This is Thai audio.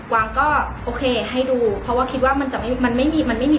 วางก็โอเคให้ดูเพราะว่าคิดว่ามันไม่มีปัญหาอะไร